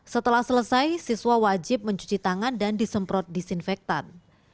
setelah selesai siswa wajib mencuci tangan dan disemprot disinfektan